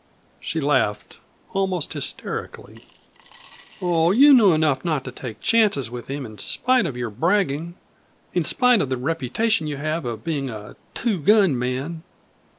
She laughed almost hysterically. "Oh, you knew enough not to take chances with him in spite of your bragging in spite of the reputation you have of being a 'two gun' man!"